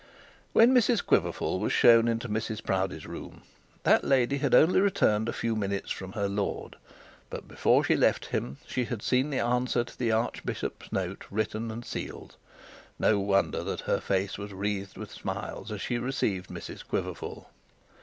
When Mrs Quiverful was shown into Mrs Proudie's room, that lady had only returned a few minutes from her lord. But before she left him she had seen the answer to the archbishop's note written and sealed. No wonder that her face was wreathed with smiles as she received Mrs Quiverful.